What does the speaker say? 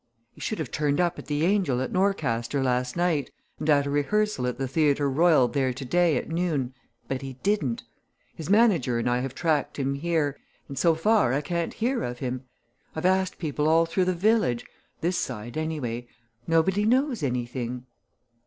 He should have turned up at the 'Angel' at Norcaster last night, and at a rehearsal at the Theatre Royal there today at noon but he didn't. His manager and I have tracked him here and so far I can't hear of him. I've asked people all through the village this side, anyway nobody knows anything."